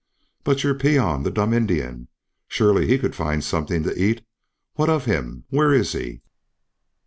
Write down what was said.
"But your peon the dumb Indian? Surely he could find something to eat. What of him? Where is he?"